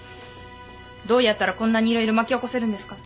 どうやったらこんなに色々巻き起こせるんですか。